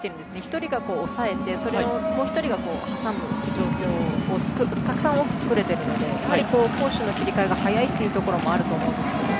１人が押さえてそれをもう１人が挟む状況をたくさん、多く作れているので攻守の切り替えが早いというところもあると思いますけど。